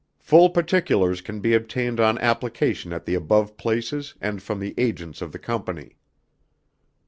Full particulars can be obtained on application at the above places and from the agents of the Company.